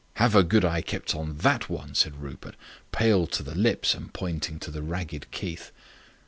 "Have a good eye kept on that one," said Rupert, pale to the lips, and pointing to the ragged Keith.